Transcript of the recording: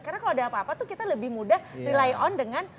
karena kalau ada apa apa tuh kita lebih mudah rely on dengan